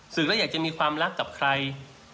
แล้วอยากจะมีความรักกับใคร